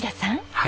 はい。